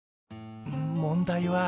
問題は。